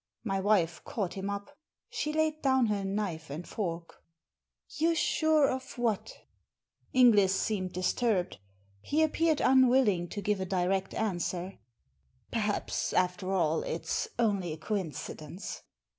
My wife caught him up. She laid down her knife and fork. " You're sure of what ?" Inglis seemed disturbed. He appeared unwilling to give a direct answer. Perhaps, after all, it's only a coincidence."